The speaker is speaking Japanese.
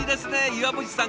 岩渕さん